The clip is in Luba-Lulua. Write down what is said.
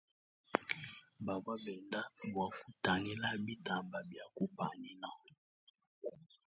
Bavwa benda bwa ktangila btamba bia kupanyina.